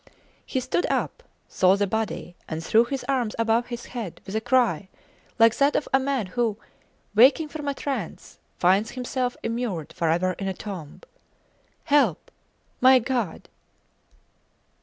He stood up, saw the body, and threw his arms above his head with a cry like that of a man who, waking from a trance, finds himself immured forever in a tomb. Help! .... My God!